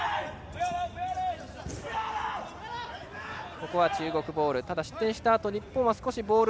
ここは中国ボール。